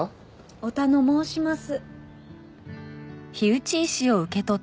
おたのもうします。